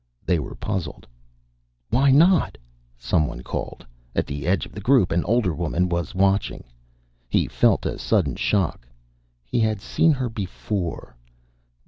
They were puzzled. "Why not?" someone called. At the edge of the group an older woman was watching. He felt a sudden shock. He had seen her before.